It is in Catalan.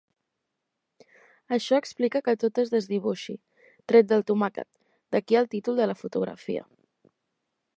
Això explica que tot es desdibuixi, tret del tomàquet, d'aquí el títol de la fotografia.